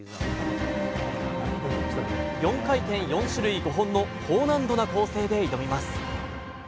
４回転４種類５本の高難度な構成で挑みます。